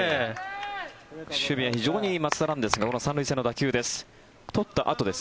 守備は非常にいい松田なんですが３塁線への打球です。